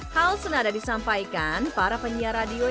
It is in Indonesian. hal senada disampaikan para penyiar radio